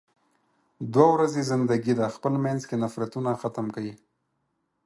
دوه ورځې زندګی ده، خپل مينځ کې نفرتونه ختم کې.